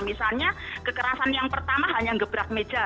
misalnya kekerasan yang pertama hanya gebrak meja